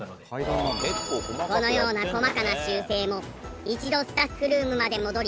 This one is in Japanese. このような細かな修正も一度スタッフルームまで戻り